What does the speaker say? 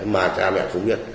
mà cha mẹ không biết